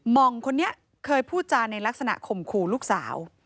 มองคนนี้เคยพูดจาในลักษณะข่มขู่ลูกสาว